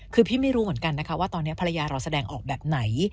คือพี่ไม่รู้เหมือนกันนะคะว่าตอนนี้ภรรยาเราแสดงออกแบบไหน